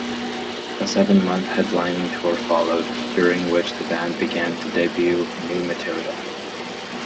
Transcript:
A seven-month headlining tour followed, during which the band began to debut new material.